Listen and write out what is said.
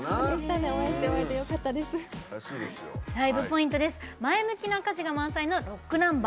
ライブポイントです。